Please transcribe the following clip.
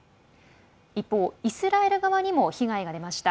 一方、イスラエル側にも被害が出ました。